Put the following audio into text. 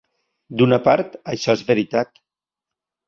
D'una part, això es veritat.